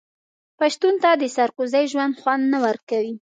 پښتون ته د سرکوزۍ ژوند خوند نه ورکوي.